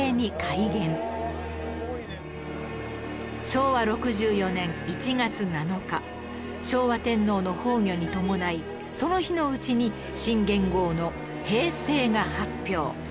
昭和６４年１月７日昭和天皇の崩御に伴いその日のうちに新元号の「平成」が発表